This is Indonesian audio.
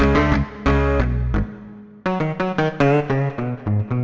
iya aku mau duduk disitu dulu